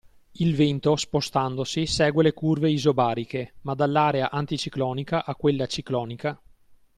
Il vento spostandosi segue le curve isobariche ma dall'area anticiclonica a quella ciclonica